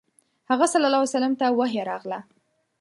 هغه ﷺ ته وحی راغله.